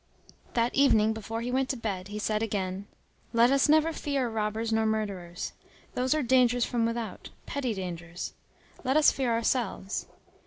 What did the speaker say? That evening, before he went to bed, he said again: "Let us never fear robbers nor murderers. Those are dangers from without, petty dangers. Let us fear ourselves.